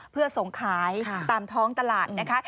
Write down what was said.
เพื่อส่งขายตามท้องตลาดนะคะ